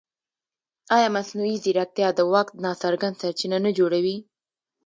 ایا مصنوعي ځیرکتیا د واک ناڅرګند سرچینه نه جوړوي؟